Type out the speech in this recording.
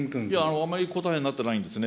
あまり答えになってないんですね。